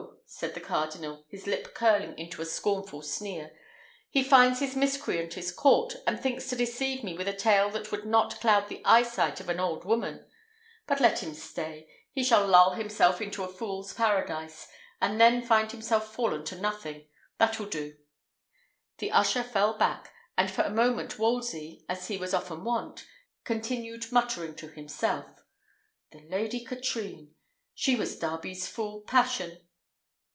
said the cardinal, his lip curling into a scornful sneer, "he finds his miscreant is caught, and thinks to deceive me with a tale that would not cloud the eyesight of an old woman. But let him stay; he shall lull himself into a fool's paradise, and then find himself fallen to nothing. That will do." The usher fell back, and for a moment Wolsey, as was often his wont, continued muttering to himself, "The Lady Katrine: she was Darby's fool passion.